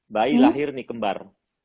bayi lahir nih kembar